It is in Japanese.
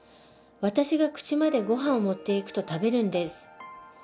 私が口までごはんを持っていくと食べるんです。